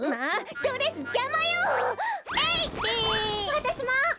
わたしも！